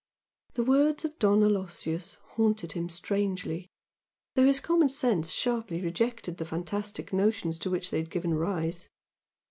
The words of Don Aloysius haunted him strangely, though his common sense sharply rejected the fantastic notions to which they had given rise.